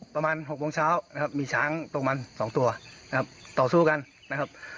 ประมาณ๖โมงเช้านะครับมีช้างตกมัน๒ตัวนะครับต่อสู้กันนะครับ